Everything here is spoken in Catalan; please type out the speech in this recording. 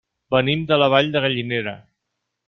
Venim de la Vall de Gallinera.